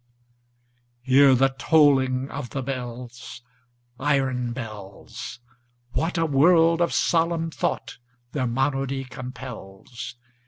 Hear the tolling of the bells, Iron bells! What a world of solemn thought their monody compels!